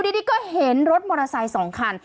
ดีก็เห็นรถมอเตอร์ไซค์๒คัน